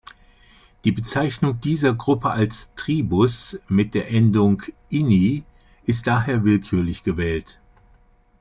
Die Bezeichnung dieser Gruppe als Tribus mit der Endung -ini ist daher willkürlich gewählt.